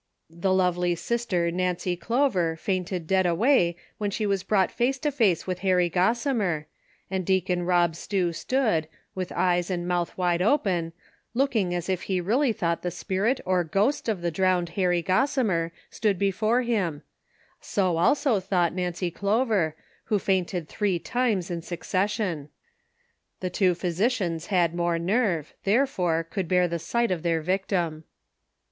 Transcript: The lovely Sister Nancy Clover fainted dead away when she was brought face to face with Harry Gossimer, and Deacon Rob Stew stood, with eyes and mouth wide open, looking as if he really thought the spirit or ghost of tlie drowned Harry Gossimer stood before him ; so also thought Nancy Clover, Avho fainted three times in succession ; the two physicians had more nerve, therefore could bear the sight of their victim.